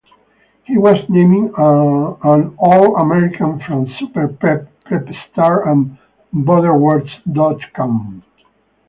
He was named an All-American from SuperPrep, PrepStar and Borderwars dot com.